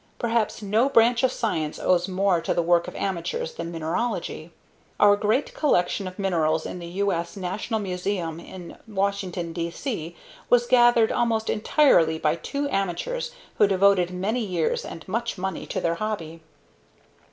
Perhaps no branch of science owes more to the work of amateurs than mineralogy. Our great collection of minerals in the U.S. National Museum in Washington, D.C., was gathered almost entirely by two amateurs who devoted many years and much money to their hobby.